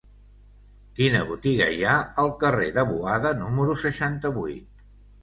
Quina botiga hi ha al carrer de Boada número seixanta-vuit?